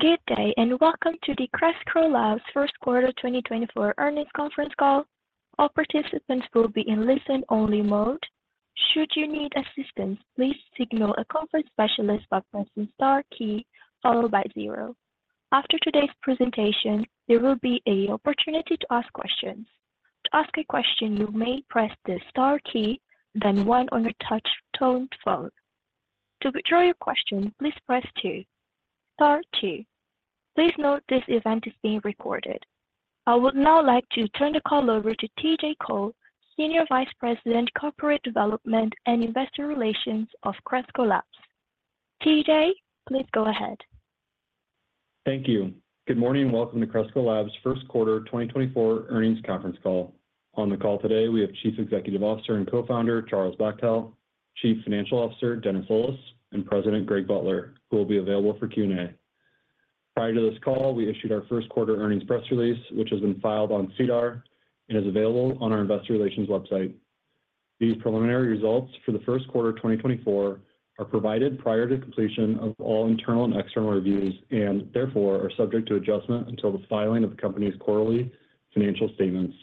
Good day and welcome to the Cresco Labs first quarter 2024 earnings conference call. All participants will be in listen-only mode. Should you need assistance, please signal a conference specialist by pressing star key, followed by 0. After today's presentation, there will be an opportunity to ask questions. To ask a question, you may press the star key, then 1 on your touch-tone phone. To withdraw your question, please press 2. Star 2. Please note this event is being recorded. I would now like to turn the call over to T.J. Cole, Senior Vice President Corporate Development and Investor Relations of Cresco Labs. T.J., please go ahead. Thank you. Good morning and welcome to Cresco Labs first quarter 2024 earnings conference call. On the call today, we have Chief Executive Officer and Co-founder Charles Bachtell, Chief Financial Officer Dennis Olis, and President Greg Butler, who will be available for Q&A. Prior to this call, we issued our first quarter earnings press release, which has been filed on CEDAR and is available on our investor relations website. These preliminary results for the first quarter 2024 are provided prior to completion of all internal and external reviews and therefore are subject to adjustment until the filing of the company's quarterly financial statements.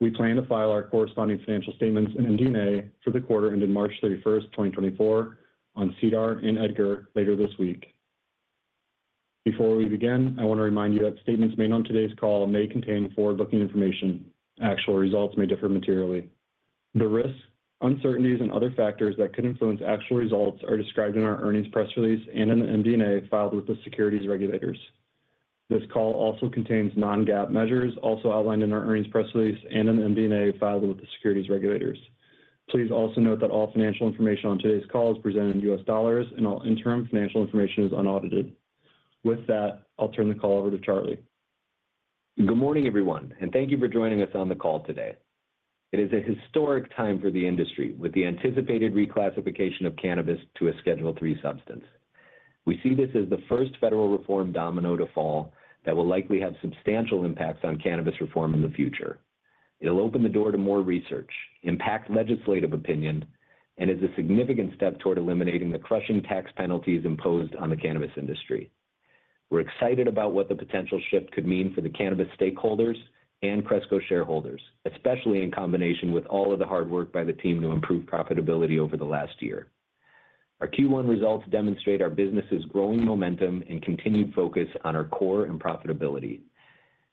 We plan to file our corresponding financial statements and MD&A for the quarter ended March 31st, 2024, on CEDAR and EDGAR later this week. Before we begin, I want to remind you that statements made on today's call may contain forward-looking information. Actual results may differ materially. The risks, uncertainties, and other factors that could influence actual results are described in our earnings press release and in the MD&A filed with the securities regulators. This call also contains non-GAAP measures also outlined in our earnings press release and in the MD&A filed with the securities regulators. Please also note that all financial information on today's call is presented in U.S. dollars, and all interim financial information is unaudited. With that, I'll turn the call over to Charlie. Good morning, everyone, and thank you for joining us on the call today. It is a historic time for the industry with the anticipated reclassification of cannabis to a Schedule III substance. We see this as the first federal reform domino to fall that will likely have substantial impacts on cannabis reform in the future. It'll open the door to more research, impact legislative opinion, and is a significant step toward eliminating the crushing tax penalties imposed on the cannabis industry. We're excited about what the potential shift could mean for the cannabis stakeholders and Cresco shareholders, especially in combination with all of the hard work by the team to improve profitability over the last year. Our Q1 results demonstrate our business's growing momentum and continued focus on our core and profitability.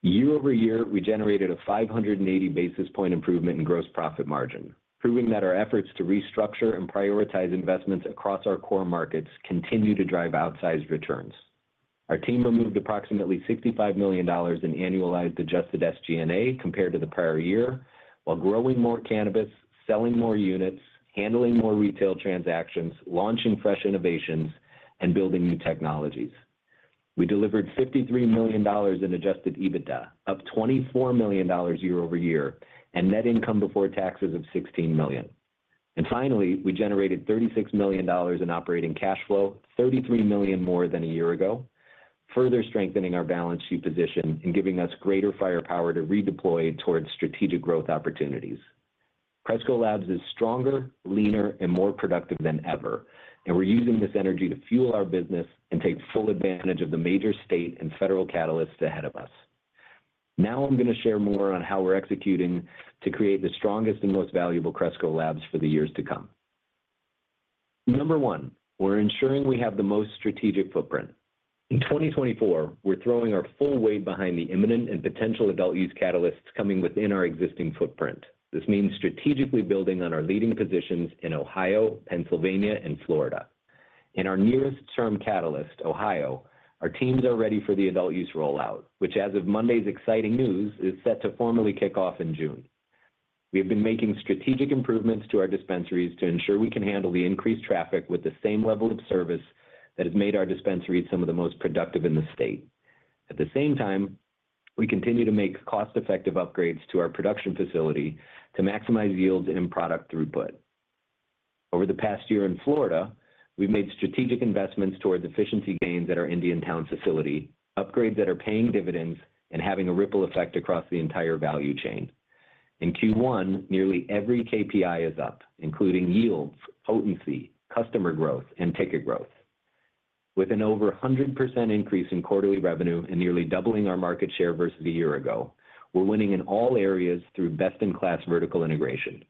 Year-over-year, we generated a 580 basis point improvement in gross profit margin, proving that our efforts to restructure and prioritize investments across our core markets continue to drive outsized returns. Our team removed approximately $65 million in annualized adjusted SG&A compared to the prior year while growing more cannabis, selling more units, handling more retail transactions, launching fresh innovations, and building new technologies. We delivered $53 million in adjusted EBITDA, up $24 million year-over-year, and net income before taxes of $16 million. Finally, we generated $36 million in operating cash flow, $33 million more than a year ago, further strengthening our balance sheet position and giving us greater firepower to redeploy toward strategic growth opportunities. Cresco Labs is stronger, leaner, and more productive than ever, and we're using this energy to fuel our business and take full advantage of the major state and federal catalysts ahead of us. Now I'm going to share more on how we're executing to create the strongest and most valuable Cresco Labs for the years to come. Number one, we're ensuring we have the most strategic footprint. In 2024, we're throwing our full weight behind the imminent and potential adult use catalysts coming within our existing footprint. This means strategically building on our leading positions in Ohio, Pennsylvania, and Florida. In our nearest term catalyst, Ohio, our teams are ready for the adult use rollout, which, as of Monday's exciting news, is set to formally kick off in June. We have been making strategic improvements to our dispensaries to ensure we can handle the increased traffic with the same level of service that has made our dispensaries some of the most productive in the state. At the same time, we continue to make cost-effective upgrades to our production facility to maximize yields and product throughput. Over the past year in Florida, we've made strategic investments towards efficiency gains at our Indiantown facility, upgrades that are paying dividends, and having a ripple effect across the entire value chain. In Q1, nearly every KPI is up, including yields, potency, customer growth, and ticket growth. With an over 100% increase in quarterly revenue and nearly doubling our market share versus a year ago, we're winning in all areas through best-in-class vertical integration.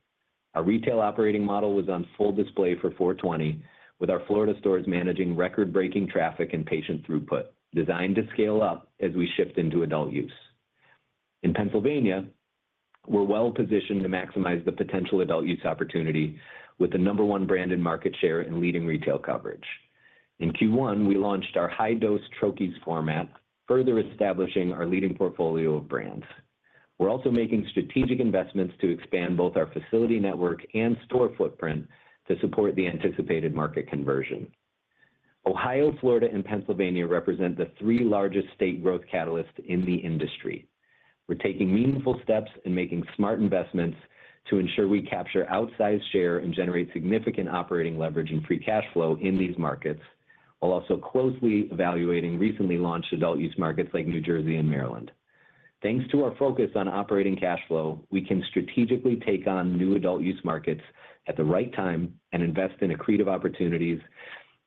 Our retail operating model was on full display for 4/20, with our Florida stores managing record-breaking traffic and patient throughput, designed to scale up as we shift into adult use. In Pennsylvania, we're well positioned to maximize the potential adult use opportunity with the number 1 brand in market share and leading retail coverage. In Q1, we launched our high-dose troches format, further establishing our leading portfolio of brands. We're also making strategic investments to expand both our facility network and store footprint to support the anticipated market conversion. Ohio, Florida, and Pennsylvania represent the three largest state growth catalysts in the industry. We're taking meaningful steps and making smart investments to ensure we capture outsized share and generate significant operating leverage and free cash flow in these markets, while also closely evaluating recently launched adult use markets like New Jersey and Maryland. Thanks to our focus on operating cash flow, we can strategically take on new adult use markets at the right time and invest in accretive opportunities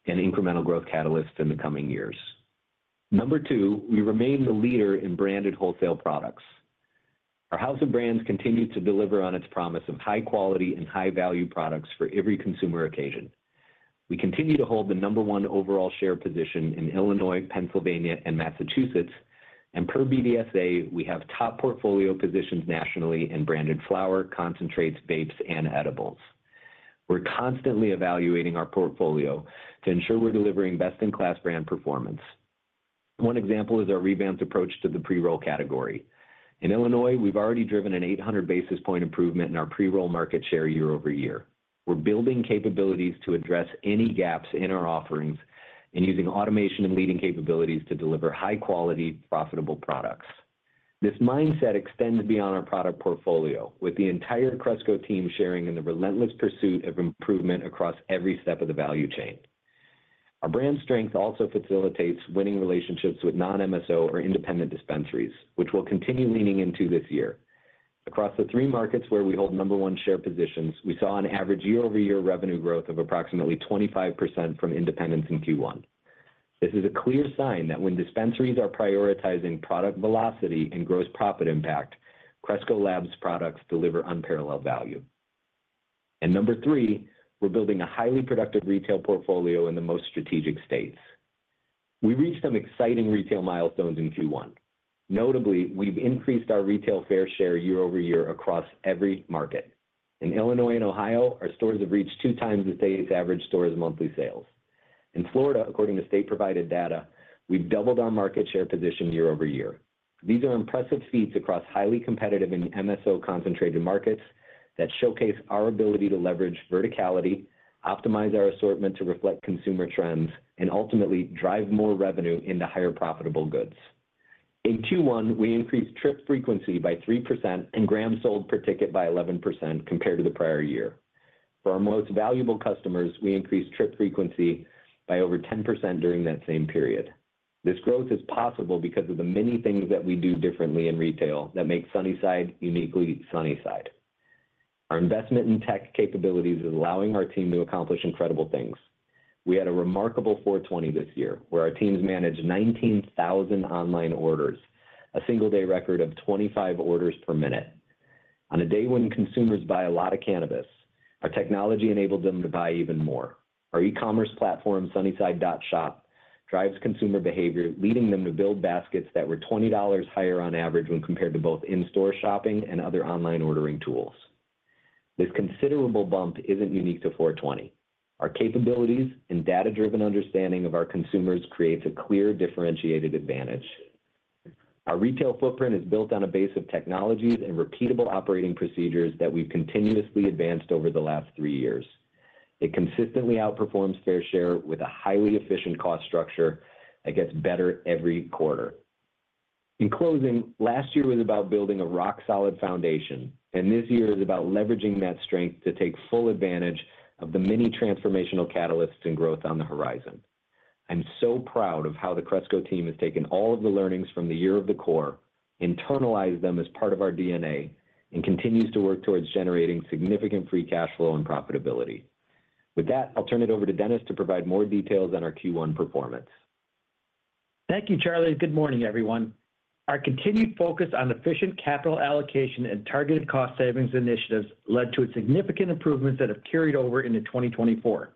and incremental growth catalysts in the coming years. Number two, we remain the leader in branded wholesale products. Our house of brands continues to deliver on its promise of high-quality and high-value products for every consumer occasion. We continue to hold the number one overall share position in Illinois, Pennsylvania, and Massachusetts, and per BDSA, we have top portfolio positions nationally in branded flower, concentrates, vapes, and edibles. We're constantly evaluating our portfolio to ensure we're delivering best-in-class brand performance. One example is our revamped approach to the pre-roll category. In Illinois, we've already driven an 800 basis point improvement in our pre-roll market share year over year. We're building capabilities to address any gaps in our offerings and using automation and leading capabilities to deliver high-quality, profitable products. This mindset extends beyond our product portfolio, with the entire Cresco team sharing in the relentless pursuit of improvement across every step of the value chain. Our brand strength also facilitates winning relationships with non-MSO or independent dispensaries, which we'll continue leaning into this year. Across the three markets where we hold number one share positions, we saw an average year-over-year revenue growth of approximately 25% from independents in Q1. This is a clear sign that when dispensaries are prioritizing product velocity and gross profit impact, Cresco Labs products deliver unparalleled value. And number three, we're building a highly productive retail portfolio in the most strategic states. We reached some exciting retail milestones in Q1. Notably, we've increased our retail fair share year-over-year across every market. In Illinois and Ohio, our stores have reached 2 times the state's average store's monthly sales. In Florida, according to state-provided data, we've doubled our market share position year-over-year. These are impressive feats across highly competitive and MSO-concentrated markets that showcase our ability to leverage verticality, optimize our assortment to reflect consumer trends, and ultimately drive more revenue into higher profitable goods. In Q1, we increased trip frequency by 3% and gram sold per ticket by 11% compared to the prior year. For our most valuable customers, we increased trip frequency by over 10% during that same period. This growth is possible because of the many things that we do differently in retail that make Sunnyside uniquely Sunnyside. Our investment in tech capabilities is allowing our team to accomplish incredible things. We had a remarkable 4/20 this year where our teams managed 19,000 online orders, a single-day record of 25 orders per minute. On a day when consumers buy a lot of cannabis, our technology enabled them to buy even more. Our e-commerce platform, sunnyside.shop, drives consumer behavior, leading them to build baskets that were $20 higher on average when compared to both in-store shopping and other online ordering tools. This considerable bump isn't unique to 4/20. Our capabilities and data-driven understanding of our consumers create a clear differentiated advantage. Our retail footprint is built on a base of technologies and repeatable operating procedures that we've continuously advanced over the last three years. It consistently outperforms fair share with a highly efficient cost structure that gets better every quarter. In closing, last year was about building a rock-solid foundation, and this year is about leveraging that strength to take full advantage of the many transformational catalysts and growth on the horizon. I'm so proud of how the Cresco team has taken all of the learnings from the year of the core, internalized them as part of our DNA, and continues to work towards generating significant free cash flow and profitability. With that, I'll turn it over to Dennis to provide more details on our Q1 performance. Thank you, Charlie. Good morning, everyone. Our continued focus on efficient capital allocation and targeted cost savings initiatives led to significant improvements that have carried over into 2024.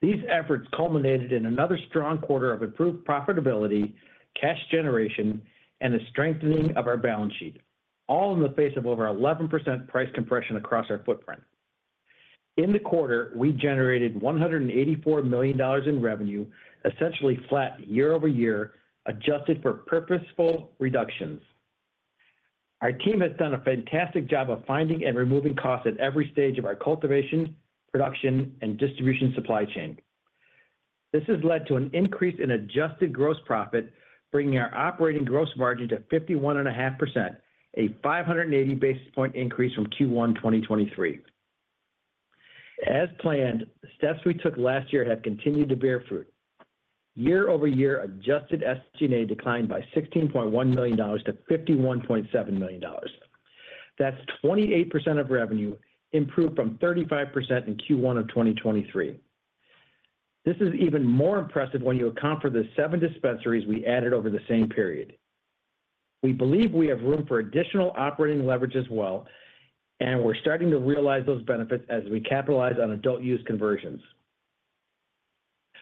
These efforts culminated in another strong quarter of improved profitability, cash generation, and the strengthening of our balance sheet, all in the face of over 11% price compression across our footprint. In the quarter, we generated $184 million in revenue, essentially flat year-over-year, adjusted for purposeful reductions. Our team has done a fantastic job of finding and removing costs at every stage of our cultivation, production, and distribution supply chain. This has led to an increase in adjusted gross profit, bringing our operating gross margin to 51.5%, a 580 basis point increase from Q1 2023. As planned, the steps we took last year have continued to bear fruit. Year-over-year, adjusted SG&A declined by $16.1 million to $51.7 million. That's 28% of revenue improved from 35% in Q1 of 2023. This is even more impressive when you account for the seven dispensaries we added over the same period. We believe we have room for additional operating leverage as well, and we're starting to realize those benefits as we capitalize on adult use conversions.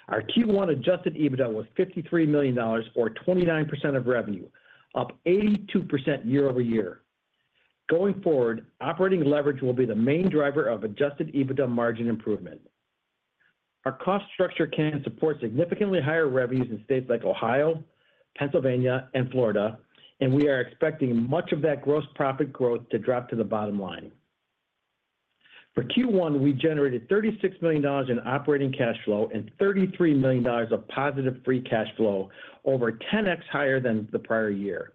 Our Q1 adjusted EBITDA was $53 million, or 29% of revenue, up 82% year-over-year. Going forward, operating leverage will be the main driver of adjusted EBITDA margin improvement. Our cost structure can support significantly higher revenues in states like Ohio, Pennsylvania, and Florida, and we are expecting much of that gross profit growth to drop to the bottom line. For Q1, we generated $36 million in operating cash flow and $33 million of positive free cash flow, over 10x higher than the prior year.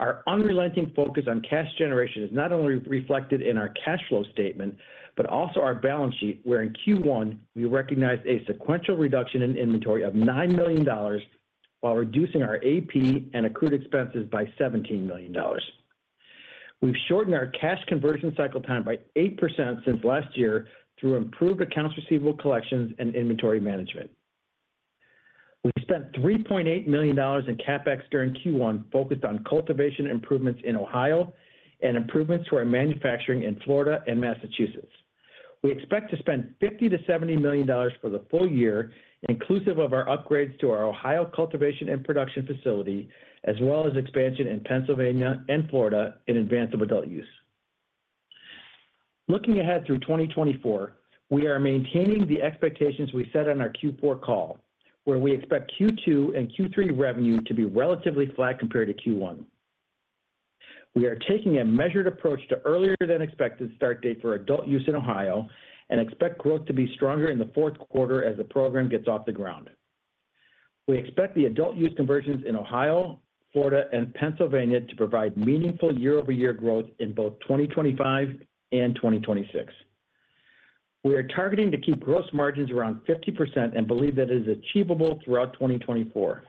Our unrelenting focus on cash generation is not only reflected in our cash flow statement but also our balance sheet, where in Q1, we recognized a sequential reduction in inventory of $9 million while reducing our AP and accrued expenses by $17 million. We've shortened our cash conversion cycle time by 8% since last year through improved accounts receivable collections and inventory management. We spent $3.8 million in CapEx during Q1 focused on cultivation improvements in Ohio and improvements to our manufacturing in Florida and Massachusetts. We expect to spend $50-$70 million for the full year, inclusive of our upgrades to our Ohio cultivation and production facility, as well as expansion in Pennsylvania and Florida in advance of adult use. Looking ahead through 2024, we are maintaining the expectations we set on our Q4 call, where we expect Q2 and Q3 revenue to be relatively flat compared to Q1. We are taking a measured approach to earlier-than-expected start date for adult use in Ohio and expect growth to be stronger in the fourth quarter as the program gets off the ground. We expect the adult use conversions in Ohio, Florida, and Pennsylvania to provide meaningful year-over-year growth in both 2025 and 2026. We are targeting to keep gross margins around 50% and believe that it is achievable throughout 2024.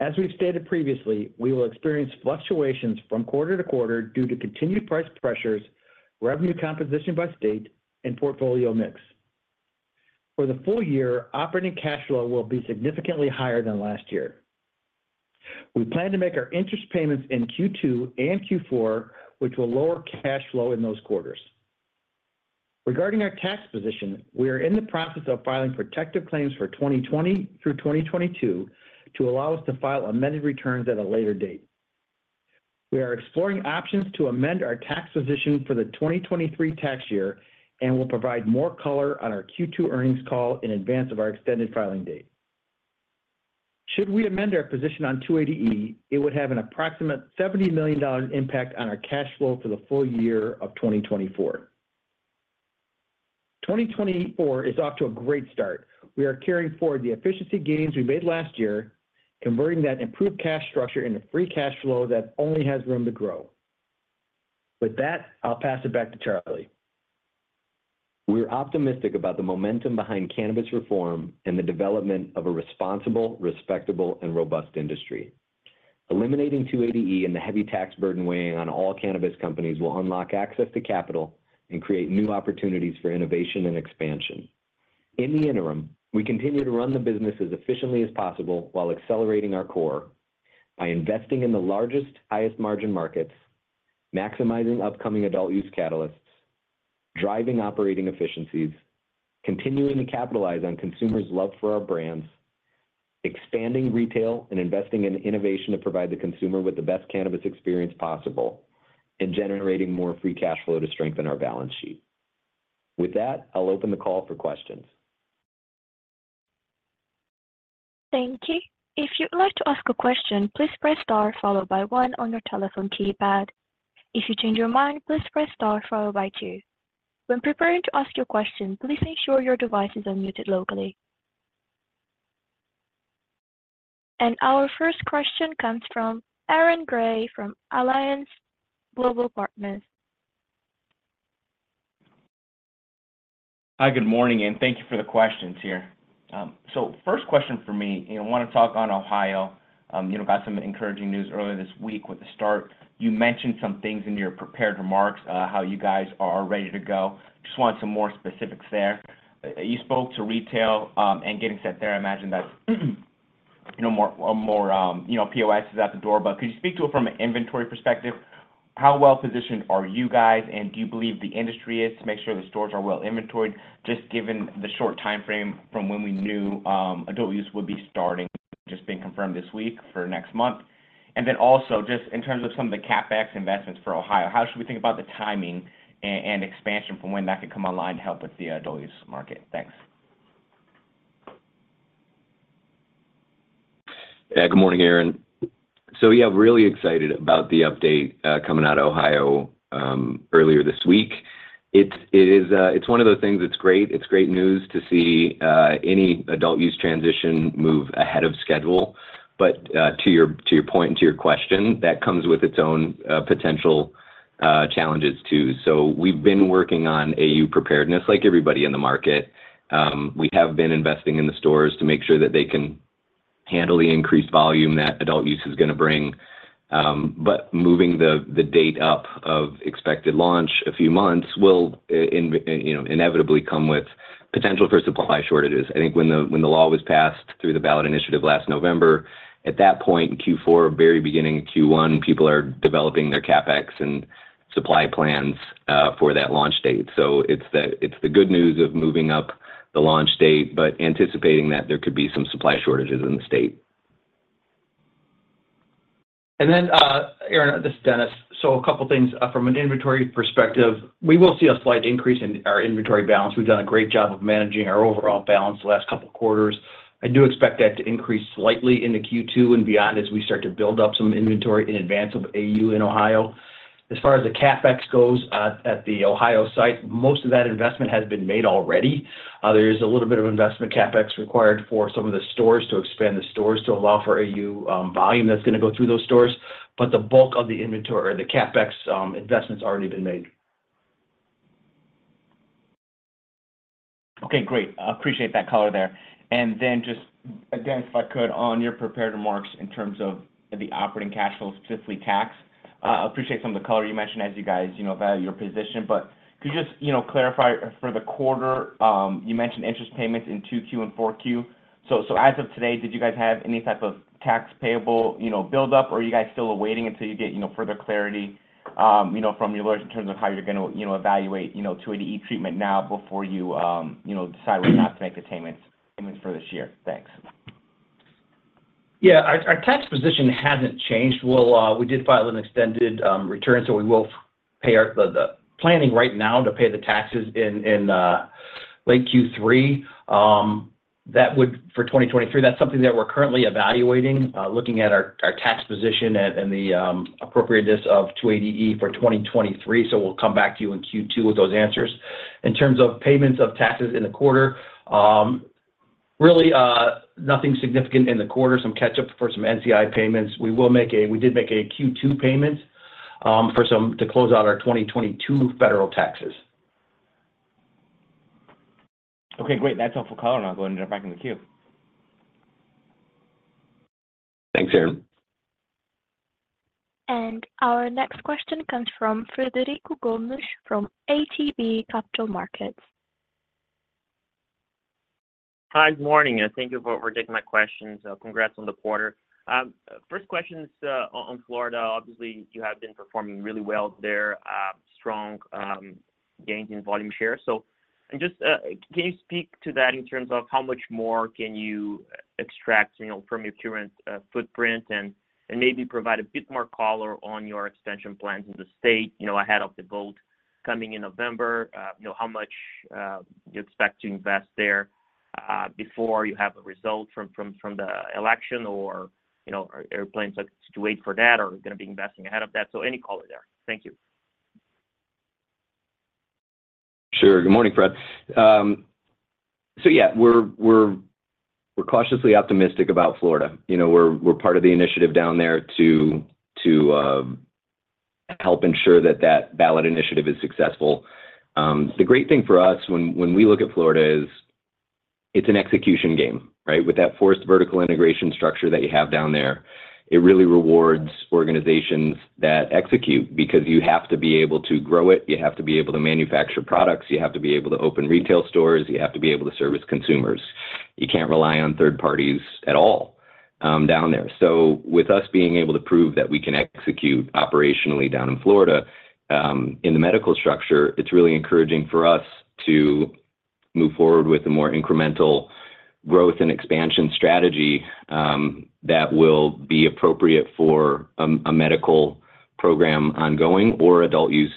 As we've stated previously, we will experience fluctuations from quarter to quarter due to continued price pressures, revenue composition by state, and portfolio mix. For the full year, operating cash flow will be significantly higher than last year. We plan to make our interest payments in Q2 and Q4, which will lower cash flow in those quarters. Regarding our tax position, we are in the process of filing protective claims for 2020 through 2022 to allow us to file amended returns at a later date. We are exploring options to amend our tax position for the 2023 tax year and will provide more color on our Q2 earnings call in advance of our extended filing date. Should we amend our position on 280E, it would have an approximate $70 million impact on our cash flow for the full year of 2024. 2024 is off to a great start. We are carrying forward the efficiency gains we made last year, converting that improved cash structure into free cash flow that only has room to grow. With that, I'll pass it back to Charlie. We're optimistic about the momentum behind cannabis reform and the development of a responsible, respectable, and robust industry. Eliminating 280E and the heavy tax burden weighing on all cannabis companies will unlock access to capital and create new opportunities for innovation and expansion. In the interim, we continue to run the business as efficiently as possible while accelerating our core by investing in the largest, highest margin markets, maximizing upcoming adult use catalysts, driving operating efficiencies, continuing to capitalize on consumers' love for our brands, expanding retail and investing in innovation to provide the consumer with the best cannabis experience possible, and generating more free cash flow to strengthen our balance sheet. With that, I'll open the call for questions. Thank you. If you'd like to ask a question, please press star followed by one on your telephone keypad. If you change your mind, please press star followed by two. When preparing to ask your question, please ensure your device is unmuted locally. Our first question comes from Aaron Gray from Alliance Global Partners. Hi, good morning, and thank you for the questions here. So first question for me, I want to talk on Ohio. Got some encouraging news earlier this week with the start. You mentioned some things in your prepared remarks, how you guys are ready to go. Just want some more specifics there. You spoke to retail, and getting set there, I imagine that's more POSs at the Sunnyside. Could you speak to it from an inventory perspective? How well positioned are you guys, and do you believe the industry is to make sure the stores are well inventoried, just given the short time frame from when we knew adult use would be starting, just being confirmed this week for next month? And then also, just in terms of some of the CapEx investments for Ohio, how should we think about the timing and expansion from when that could come online to help with the adult use market? Thanks. Good morning, Aaron. So yeah, really excited about the update coming out of Ohio earlier this week. It's one of those things that's great. It's great news to see any adult use transition move ahead of schedule. But to your point and to your question, that comes with its own potential challenges too. So we've been working on AU preparedness like everybody in the market. We have been investing in the stores to make sure that they can handle the increased volume that adult use is going to bring. But moving the date up of expected launch a few months will inevitably come with potential for supply shortages. I think when the law was passed through the ballot initiative last November, at that point in Q4, very beginning of Q1, people are developing their CapEx and supply plans for that launch date. It's the good news of moving up the launch date, but anticipating that there could be some supply shortages in the state. And then, Aaron, this is Dennis. So a couple of things from an inventory perspective. We will see a slight increase in our inventory balance. We've done a great job of managing our overall balance the last couple of quarters. I do expect that to increase slightly in the Q2 and beyond as we start to build up some inventory in advance of AU in Ohio. As far as the CapEx goes at the Ohio site, most of that investment has been made already. There is a little bit of investment CapEx required for some of the stores to expand the stores to allow for AU volume that's going to go through those stores. But the bulk of the inventory or the CapEx investment's already been made. Okay, great. I appreciate that color there. And then just, Dennis, if I could, on your prepared remarks in terms of the operating cash flow, specifically tax, I appreciate some of the color you mentioned as you guys value your position. But could you just clarify for the quarter, you mentioned interest payments in 2Q and 4Q. So as of today, did you guys have any type of tax payable buildup, or are you guys still awaiting until you get further clarity from your lawyers in terms of how you're going to evaluate 280E treatment now before you decide whether or not to make the payments for this year? Thanks. Yeah, our tax position hasn't changed. We did file an extended return, so we will pay the balance right now to pay the taxes in late Q3. For 2023, that's something that we're currently evaluating, looking at our tax position and the appropriateness of 280E for 2023. So we'll come back to you in Q2 with those answers. In terms of payments of taxes in the quarter, really nothing significant in the quarter, some catch-up for some NCI payments. We did make a Q2 payment to close out our 2022 federal taxes. Okay, great. That's helpful color. I'll go ahead and jump back into the queue. Thanks, Aaron. Our next question comes from Frederico Gomes from ATB Capital Markets. Hi, good morning. Thank you for taking my questions. Congrats on the quarter. First question is on Florida. Obviously, you have been performing really well there, strong gains in volume share. So can you speak to that in terms of how much more can you extract from your current footprint and maybe provide a bit more color on your extension plans in the state ahead of the vote coming in November? How much do you expect to invest there before you have a result from the election, or are you planning to wait for that, or are you going to be investing ahead of that? So any color there. Thank you. Sure. Good morning, Fred. So yeah, we're cautiously optimistic about Florida. We're part of the initiative down there to help ensure that that ballot initiative is successful. The great thing for us when we look at Florida is it's an execution game, right? With that forced vertical integration structure that you have down there, it really rewards organizations that execute because you have to be able to grow it. You have to be able to manufacture products. You have to be able to open retail stores. You have to be able to service consumers. You can't rely on third parties at all down there. So with us being able to prove that we can execute operationally down in Florida in the medical structure, it's really encouraging for us to move forward with a more incremental growth and expansion strategy that will be appropriate for a medical program ongoing or adult use,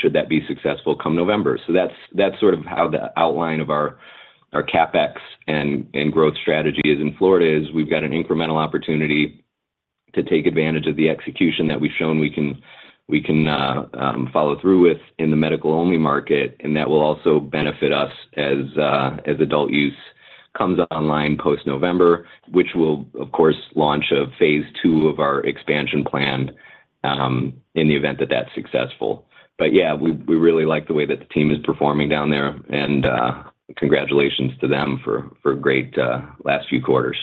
should that be successful, come November. So that's sort of how the outline of our CapEx and growth strategy is in Florida is we've got an incremental opportunity to take advantage of the execution that we've shown we can follow through with in the medical-only market, and that will also benefit us as adult use comes online post-November, which will, of course, launch phase two of our expansion plan in the event that that's successful. But yeah, we really like the way that the team is performing down there, and congratulations to them for great last few quarters.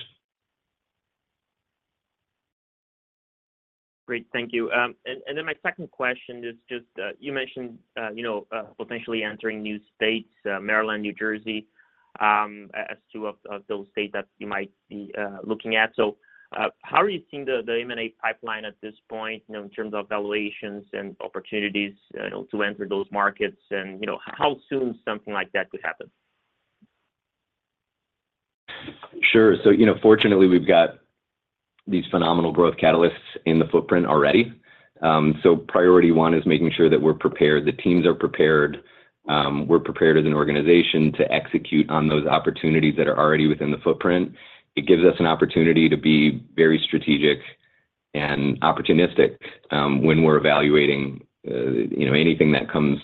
Great. Thank you. And then my second question is just you mentioned potentially entering new states, Maryland, New Jersey, as to those states that you might be looking at. So how are you seeing the M&A pipeline at this point in terms of valuations and opportunities to enter those markets, and how soon something like that could happen? Sure. So fortunately, we've got these phenomenal growth catalysts in the footprint already. So priority one is making sure that we're prepared, the teams are prepared, we're prepared as an organization to execute on those opportunities that are already within the footprint. It gives us an opportunity to be very strategic and opportunistic when we're evaluating anything that comes,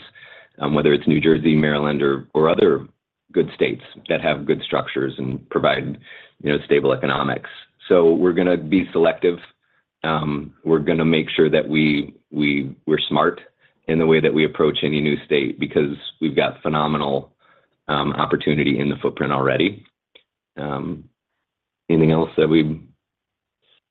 whether it's New Jersey, Maryland, or other good states that have good structures and provide stable economics. So we're going to be selective. We're going to make sure that we're smart in the way that we approach any new state because we've got phenomenal opportunity in the footprint already. Anything else that we've?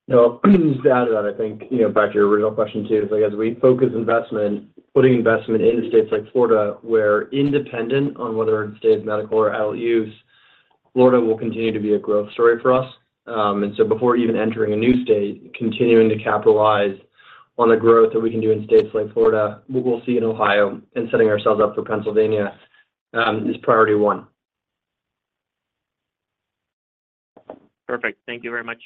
No, just to add to that, I think back to your original question too, is I guess we focus investment, putting investment in states like Florida where independent of whether it stays medical or adult use, Florida will continue to be a growth story for us. And so before even entering a new state, continuing to capitalize on the growth that we can do in states like Florida, what we'll see in Ohio and setting ourselves up for Pennsylvania is priority one. Perfect. Thank you very much.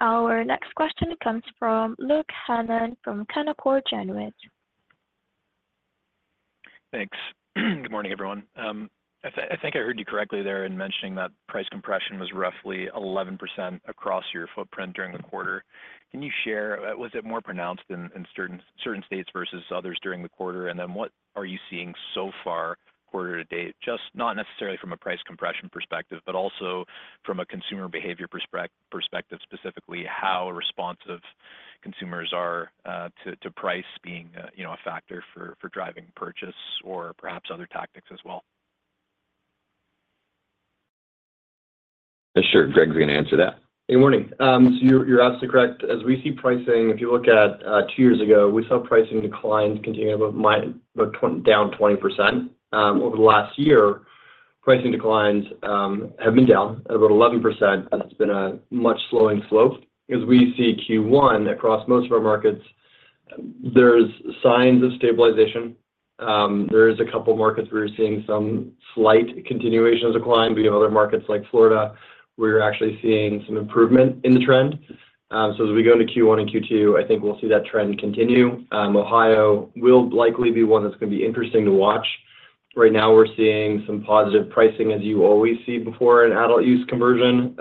Our next question comes from Luke Hannan from Canaccord Genuity. Thanks. Good morning, everyone. I think I heard you correctly there in mentioning that price compression was roughly 11% across your footprint during the quarter. Can you share, was it more pronounced in certain states versus others during the quarter? And then what are you seeing so far quarter to date, just not necessarily from a price compression perspective, but also from a consumer behavior perspective, specifically how responsive consumers are to price being a factor for driving purchase or perhaps other tactics as well? Sure. Greg's going to answer that. Good morning. So you're absolutely correct. As we see pricing, if you look at two years ago, we saw pricing declines continuing about down 20%. Over the last year, pricing declines have been down at about 11%. That's been a much slowing slope. As we see Q1 across most of our markets, there's signs of stabilization. There is a couple of markets where we're seeing some slight continuation of decline, but you have other markets like Florida where you're actually seeing some improvement in the trend. So as we go into Q1 and Q2, I think we'll see that trend continue. Ohio will likely be one that's going to be interesting to watch. Right now, we're seeing some positive pricing as you always see before an adult use conversion.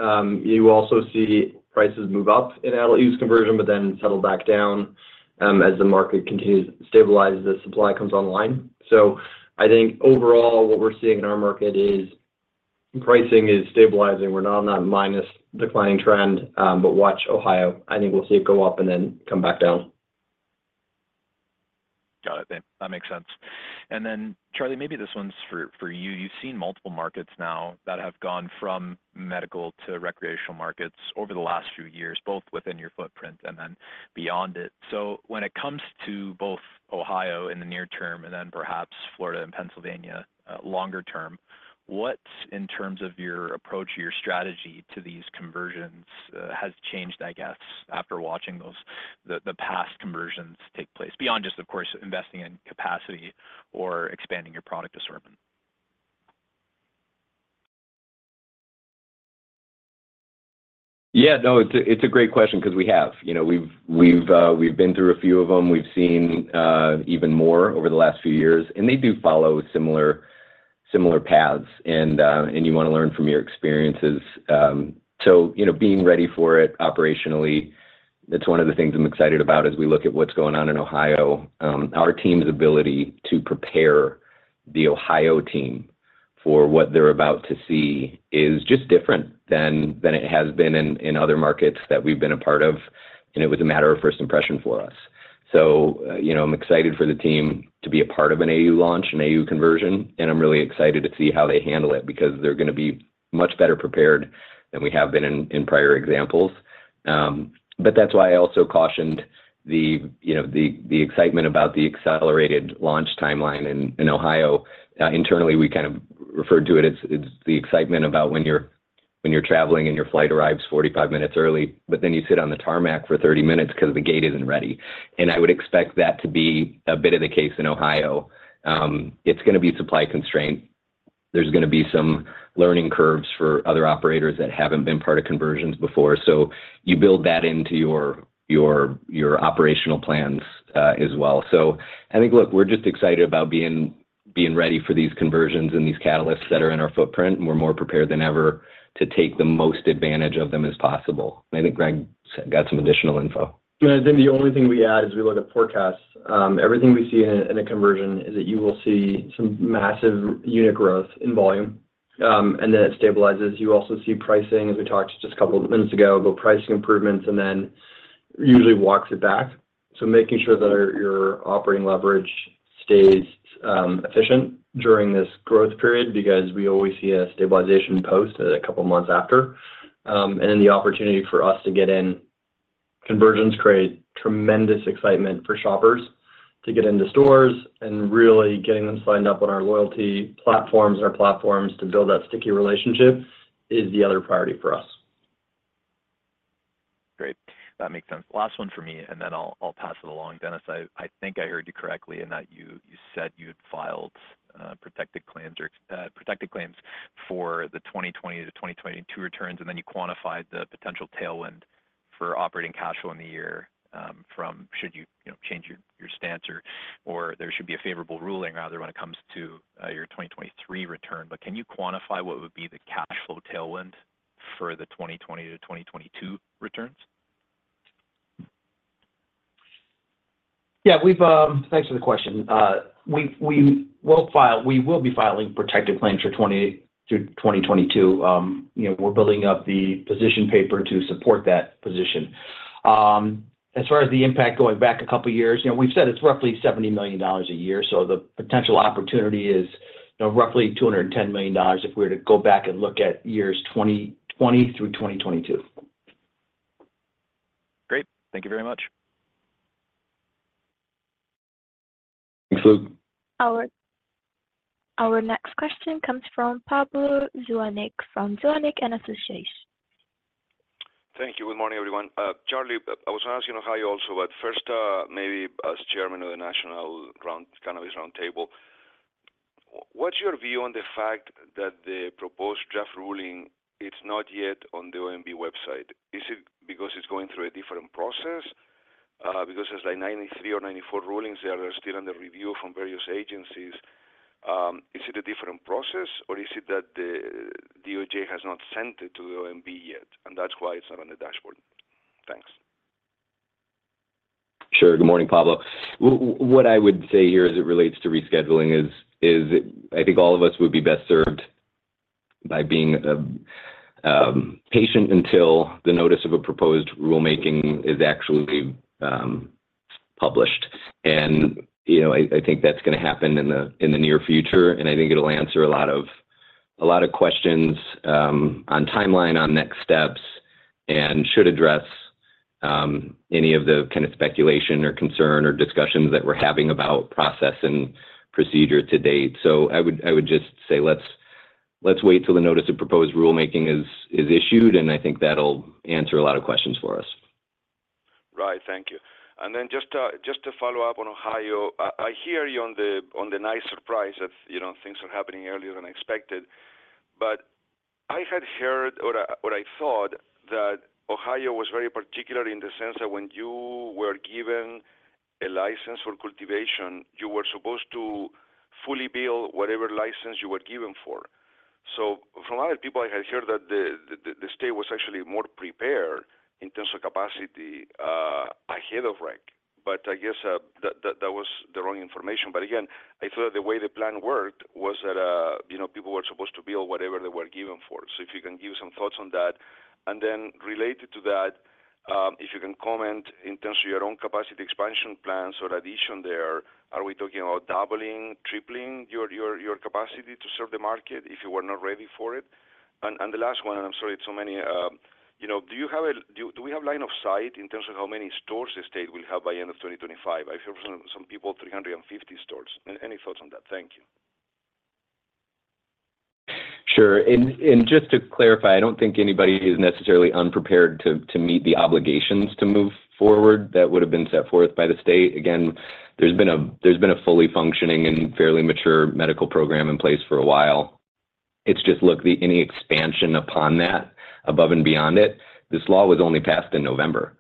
You also see prices move up in adult use conversion, but then settle back down as the market continues to stabilize, the supply comes online. So I think overall, what we're seeing in our market is pricing is stabilizing. We're not on that minus declining trend, but watch Ohio. I think we'll see it go up and then come back down. Got it. Thanks. That makes sense. And then, Charlie, maybe this one's for you. You've seen multiple markets now that have gone from medical to recreational markets over the last few years, both within your footprint and then beyond it. So when it comes to both Ohio in the near term and then perhaps Florida and Pennsylvania longer term, what in terms of your approach to your strategy to these conversions has changed, I guess, after watching the past conversions take place beyond just, of course, investing in capacity or expanding your product assortment? Yeah. No, it's a great question because we have. We've been through a few of them. We've seen even more over the last few years, and they do follow similar paths, and you want to learn from your experiences. So being ready for it operationally, that's one of the things I'm excited about as we look at what's going on in Ohio. Our team's ability to prepare the Ohio team for what they're about to see is just different than it has been in other markets that we've been a part of, and it was a matter of first impression for us. So I'm excited for the team to be a part of an AU launch, an AU conversion, and I'm really excited to see how they handle it because they're going to be much better prepared than we have been in prior examples. But that's why I also cautioned the excitement about the accelerated launch timeline in Ohio. Internally, we kind of referred to it as the excitement about when you're traveling and your flight arrives 45 minutes early, but then you sit on the tarmac for 30 minutes because the gate isn't ready. And I would expect that to be a bit of the case in Ohio. It's going to be supply constraint. There's going to be some learning curves for other operators that haven't been part of conversions before. So you build that into your operational plans as well. So I think, look, we're just excited about being ready for these conversions and these catalysts that are in our footprint, and we're more prepared than ever to take the most advantage of them as possible. And I think Greg got some additional info. Yeah. I think the only thing we add is we look at forecasts. Everything we see in a conversion is that you will see some massive unit growth in volume, and then it stabilizes. You also see pricing, as we talked just a couple of minutes ago, about pricing improvements and then usually walks it back. So making sure that your operating leverage stays efficient during this growth period because we always see a stabilization post a couple of months after. And then the opportunity for us to get in conversions creates tremendous excitement for shoppers to get into stores, and really getting them signed up on our loyalty platforms and our platforms to build that sticky relationship is the other priority for us. Great. That makes sense. Last one for me, and then I'll pass it along. Dennis, I think I heard you correctly in that you said you had filed protected claims for the 2020 to 2022 returns, and then you quantified the potential tailwind for operating cash flow in the year from should you change your stance or there should be a favorable ruling rather when it comes to your 2023 return. But can you quantify what would be the cash flow tailwind for the 2020 to 2022 returns? Yeah. Thanks for the question. We will be filing protected claims for 2022. We're building up the position paper to support that position. As far as the impact going back a couple of years, we've said it's roughly $70 million a year. So the potential opportunity is roughly $210 million if we were to go back and look at years 2020 through 2022. Great. Thank you very much. Thanks, Luke. Our next question comes from Pablo Zuanic from Zuanic & Associates. Thank you. Good morning, everyone. Charlie, I was going to ask you how you also, but first maybe as Chairman of the National Cannabis Roundtable, what's your view on the fact that the proposed draft ruling, it's not yet on the OMB website? Is it because it's going through a different process? Because it's like 1993 or 1994 rulings, they are still under review from various agencies. Is it a different process, or is it that the DOJ has not sent it to the OMB yet, and that's why it's not on the dashboard? Thanks. Sure. Good morning, Pablo. What I would say here as it relates to rescheduling is I think all of us would be best served by being patient until the notice of a proposed rulemaking is actually published. And I think that's going to happen in the near future, and I think it'll answer a lot of questions on timeline, on next steps, and should address any of the kind of speculation or concern or discussions that we're having about process and procedure to date. So I would just say let's wait till the notice of proposed rulemaking is issued, and I think that'll answer a lot of questions for us. Right. Thank you. And then just to follow up on Ohio, I hear you on the nice surprise that things are happening earlier than expected. But I had heard or I thought that Ohio was very particular in the sense that when you were given a license for cultivation, you were supposed to fully build whatever license you were given for. So from other people, I had heard that the state was actually more prepared in terms of capacity ahead of REC. But I guess that was the wrong information. But again, I thought that the way the plan worked was that people were supposed to build whatever they were given for. So if you can give some thoughts on that. And then related to that, if you can comment in terms of your own capacity expansion plans or addition there, are we talking about doubling, tripling your capacity to serve the market if you were not ready for it? And the last one, and I'm sorry, it's so many. Do you have, do we have line of sight in terms of how many stores the state will have by the end of 2025? I hear from some people, 350 stores. Any thoughts on that? Thank you. Sure. And just to clarify, I don't think anybody is necessarily unprepared to meet the obligations to move forward that would have been set forth by the state. Again, there's been a fully functioning and fairly mature medical program in place for a while. It's just, look, any expansion upon that, above and beyond it, this law was only passed in November.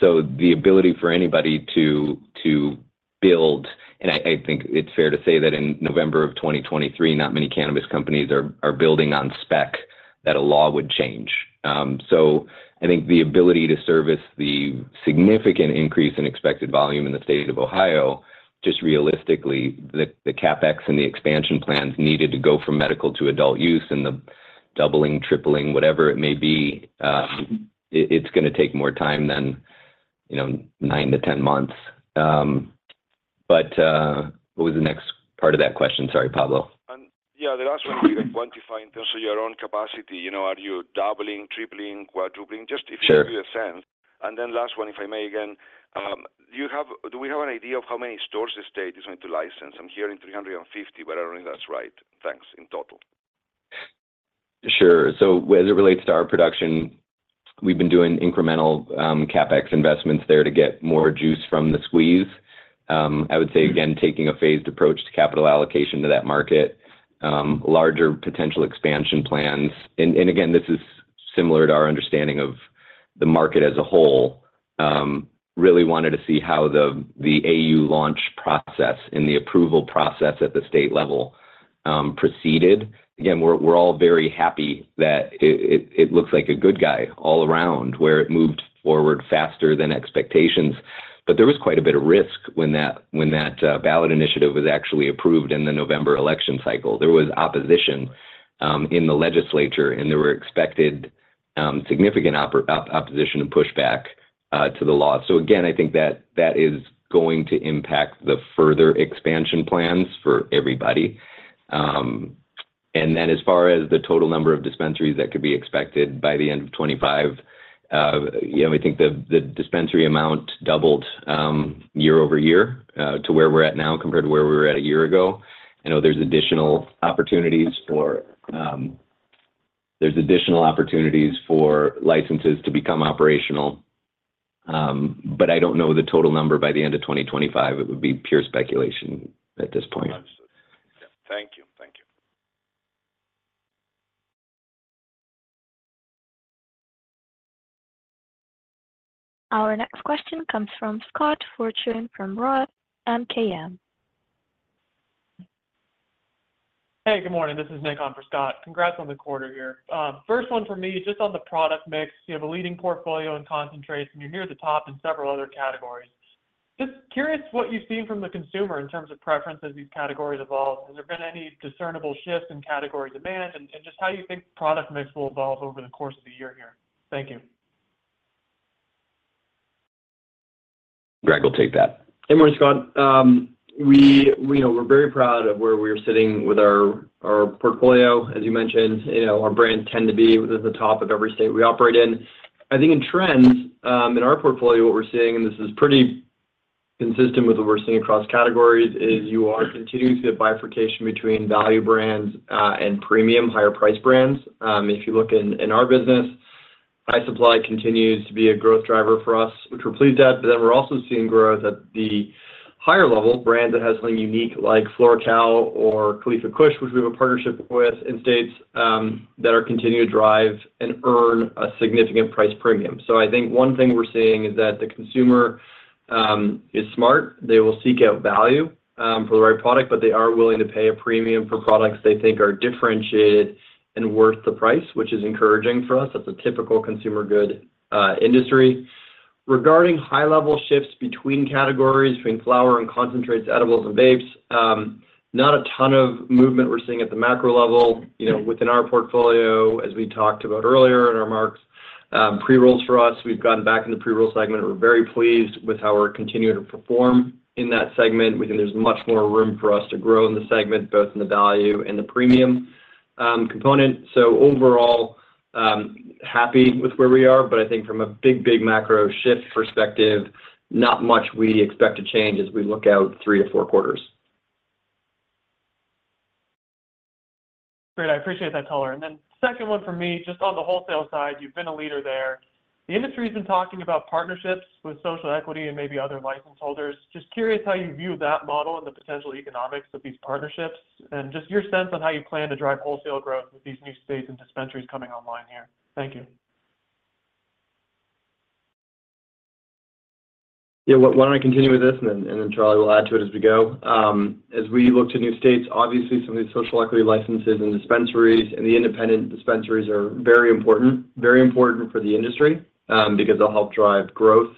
So the ability for anybody to build and I think it's fair to say that in November of 2023, not many cannabis companies are building on spec that a law would change. So I think the ability to service the significant increase in expected volume in the state of Ohio, just realistically, the CapEx and the expansion plans needed to go from medical to adult use and the doubling, tripling, whatever it may be, it's going to take more time than 9-10 months. But what was the next part of that question? Sorry, Pablo. Yeah. The last one is, do you identify in terms of your own capacity? Are you doubling, tripling, quadrupling? Just if you can give me a sense. And then last one, if I may again, do we have an idea of how many stores the state is going to license? I'm hearing 350, but I don't know if that's right. Thanks. In total. Sure. So as it relates to our production, we've been doing incremental CapEx investments there to get more juice from the squeeze. I would say, again, taking a phased approach to capital allocation to that market, larger potential expansion plans. And again, this is similar to our understanding of the market as a whole. Really wanted to see how the AU launch process and the approval process at the state level proceeded. Again, we're all very happy that it looks like a good guy all around where it moved forward faster than expectations. But there was quite a bit of risk when that ballot initiative was actually approved in the November election cycle. There was opposition in the legislature, and there were expected significant opposition and pushback to the law. So again, I think that is going to impact the further expansion plans for everybody. Then as far as the total number of dispensaries that could be expected by the end of 2025, I think the dispensary amount doubled year-over-year to where we're at now compared to where we were at a year ago. I know there's additional opportunities for licenses to become operational. But I don't know the total number by the end of 2025. It would be pure speculation at this point. Absolutely. Yeah. Thank you. Thank you. Our next question comes from Scott Fortune from Roth MKM. Hey. Good morning. This is Nick on for Scott. Congrats on the quarter here. First one for me, just on the product mix, you have a leading portfolio and concentrates, and you're near the top in several other categories. Just curious what you've seen from the consumer in terms of preference as these categories evolve. Has there been any discernible shifts in category demand and just how you think product mix will evolve over the course of the year here? Thank you. Greg will take that. Good morning, Scott. We're very proud of where we are sitting with our portfolio. As you mentioned, our brands tend to be within the top of every state we operate in. I think in trends, in our portfolio, what we're seeing - and this is pretty consistent with what we're seeing across categories - is you are continuing to see a bifurcation between value brands and premium, higher-priced brands. If you look in our business, High Supply continues to be a growth driver for us, which we're pleased at. But then we're also seeing growth at the higher level, brands that have something unique like FloraCal or Khalifa Kush, which we have a partnership with in states, that are continuing to drive and earn a significant price premium. So I think one thing we're seeing is that the consumer is smart. They will seek out value for the right product, but they are willing to pay a premium for products they think are differentiated and worth the price, which is encouraging for us. That's a typical consumer good industry. Regarding high-level shifts between categories, between flower and concentrates, edibles, and vapes, not a ton of movement we're seeing at the macro level. Within our portfolio, as we talked about earlier in our prepared remarks, pre-rolls for us, we've gotten back in the pre-roll segment. We're very pleased with how we're continuing to perform in that segment. We think there's much more room for us to grow in the segment, both in the value and the premium component. So overall, happy with where we are. But I think from a big, big macro shift perspective, not much we expect to change as we look out 3-4 quarters. Great. I appreciate that, Tyler. And then second one for me, just on the wholesale side, you've been a leader there. The industry has been talking about partnerships with social equity and maybe other license holders. Just curious how you view that model and the potential economics of these partnerships and just your sense on how you plan to drive wholesale growth with these new states and dispensaries coming online here. Thank you. Yeah. Why don't I continue with this, and then Charlie will add to it as we go. As we look to new states, obviously, some of these social equity licenses and dispensaries and the independent dispensaries are very important, very important for the industry because they'll help drive growth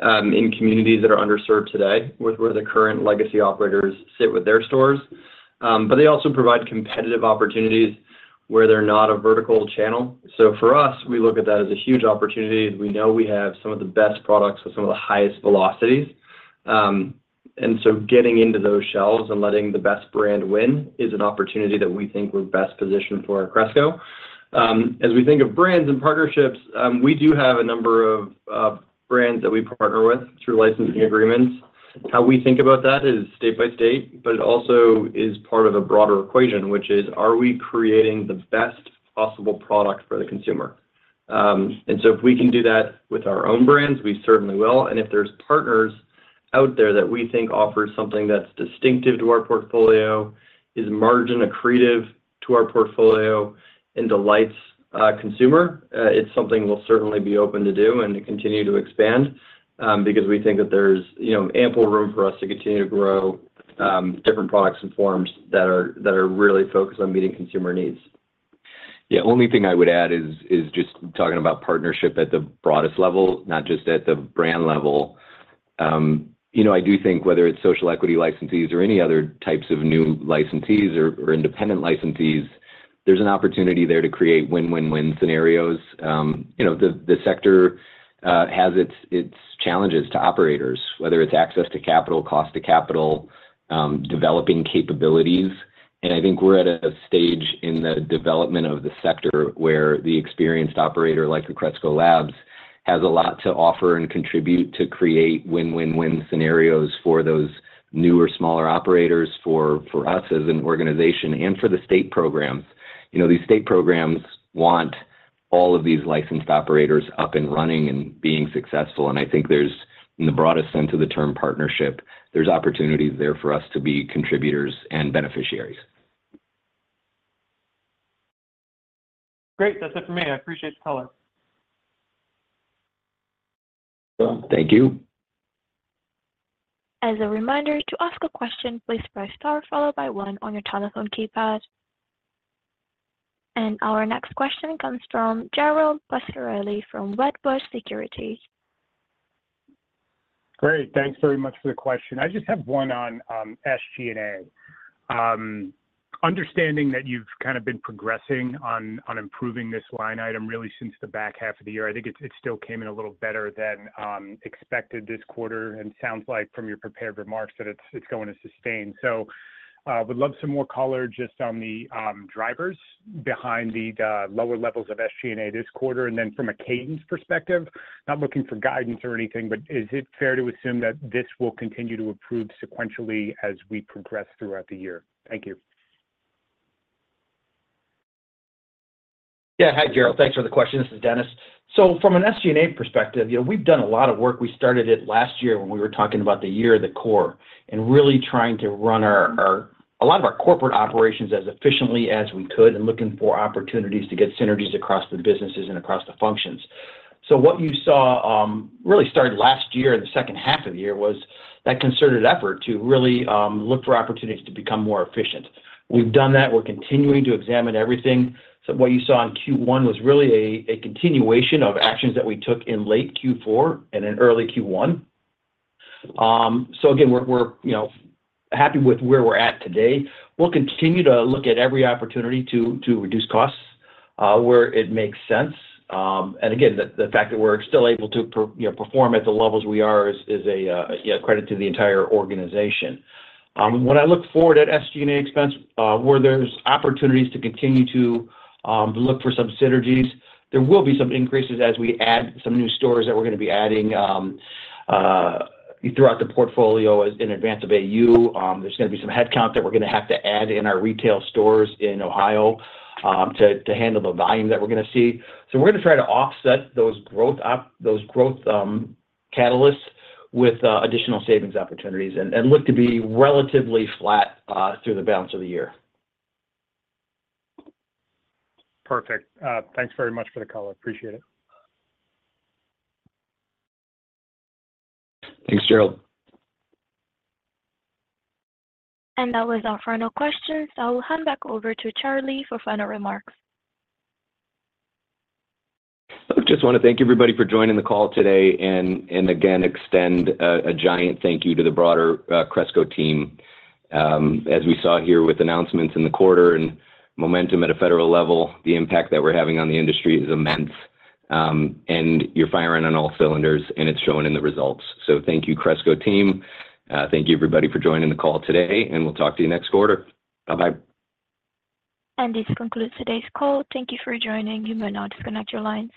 in communities that are underserved today with where the current legacy operators sit with their stores. But they also provide competitive opportunities where they're not a vertical channel. So for us, we look at that as a huge opportunity. We know we have some of the best products with some of the highest velocities. And so getting into those shelves and letting the best brand win is an opportunity that we think we're best positioned for at Cresco. As we think of brands and partnerships, we do have a number of brands that we partner with through licensing agreements. How we think about that is state by state, but it also is part of a broader equation, which is, are we creating the best possible product for the consumer? And so if we can do that with our own brands, we certainly will. And if there's partners out there that we think offer something that's distinctive to our portfolio, is margin accretive to our portfolio, and delights consumer, it's something we'll certainly be open to do and to continue to expand because we think that there's ample room for us to continue to grow different products and forms that are really focused on meeting consumer needs. Yeah. Only thing I would add is just talking about partnership at the broadest level, not just at the brand level. I do think whether it's social equity licensees or any other types of new licensees or independent licensees, there's an opportunity there to create win-win-win scenarios. The sector has its challenges to operators, whether it's access to capital, cost to capital, developing capabilities. I think we're at a stage in the development of the sector where the experienced operator like Cresco Labs has a lot to offer and contribute to create win-win-win scenarios for those newer smaller operators, for us as an organization, and for the state programs. These state programs want all of these licensed operators up and running and being successful. I think in the broadest sense of the term partnership, there's opportunities there for us to be contributors and beneficiaries. Great. That's it for me. I appreciate the color. Thank you. As a reminder, to ask a question, please press star followed by 1 on your telephone keypad. Our next question comes from Gerald Pascarelli from Wedbush Securities. Great. Thanks very much for the question. I just have one on SG&A. Understanding that you've kind of been progressing on improving this line item really since the back half of the year, I think it still came in a little better than expected this quarter and sounds like from your prepared remarks that it's going to sustain. So would love some more color just on the drivers behind the lower levels of SG&A this quarter. And then from a cadence perspective, not looking for guidance or anything, but is it fair to assume that this will continue to improve sequentially as we progress throughout the year? Thank you. Yeah. Hi, Gerald. Thanks for the question. This is Dennis. So from an SG&A perspective, we've done a lot of work. We started it last year when we were talking about the year of the core and really trying to run a lot of our corporate operations as efficiently as we could and looking for opportunities to get synergies across the businesses and across the functions. So what you saw really started last year in the second half of the year was that concerted effort to really look for opportunities to become more efficient. We've done that. We're continuing to examine everything. So what you saw in Q1 was really a continuation of actions that we took in late Q4 and in early Q1. So again, we're happy with where we're at today. We'll continue to look at every opportunity to reduce costs where it makes sense. Again, the fact that we're still able to perform at the levels we are is a credit to the entire organization. When I look forward at SG&A expense, where there's opportunities to continue to look for some synergies, there will be some increases as we add some new stores that we're going to be adding throughout the portfolio in advance of AU. There's going to be some headcount that we're going to have to add in our retail stores in Ohio to handle the volume that we're going to see. So we're going to try to offset those growth catalysts with additional savings opportunities and look to be relatively flat through the balance of the year. Perfect. Thanks very much for the color. Appreciate it. Thanks, Gerald. That was our final questions. I will hand back over to Charlie for final remarks. Just want to thank everybody for joining the call today and again, extend a giant thank you to the broader Cresco team. As we saw here with announcements in the quarter and momentum at a federal level, the impact that we're having on the industry is immense. You're firing on all cylinders, and it's shown in the results. So thank you, Cresco team. Thank you, everybody, for joining the call today, and we'll talk to you next quarter. Bye-bye. This concludes today's call. Thank you for joining. You may now disconnect your lines.